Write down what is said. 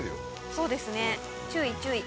そうですね注意注意。